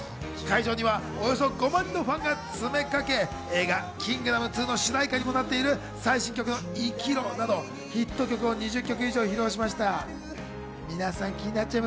会場におよそ５万人のファンが詰めかけ、映画『キングダム２』の主題歌にもなっている最新曲の『生きろ』などヒット曲を２０曲以上披露しました。